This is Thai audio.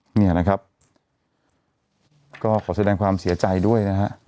เนี่ยนะครับก็ขอแสดงความเสียใจด้วยนะฮะ